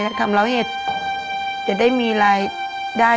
ยายทำได้หรือไม่ได้